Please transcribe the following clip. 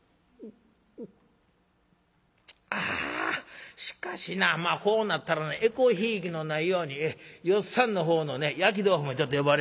「あしかしなまあこうなったらえこひいきのないように芳っさんの方のね焼き豆腐もちょっと呼ばれますわ。